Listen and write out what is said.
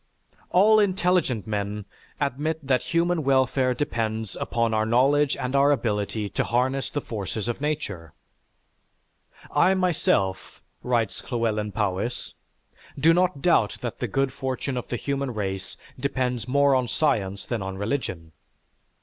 _) All intelligent men admit that human welfare depends upon our knowledge and our ability to harness the forces of nature. "I myself," writes Llewelyn Powys, "do not doubt that the good fortune of the human race depends more on science than on religion.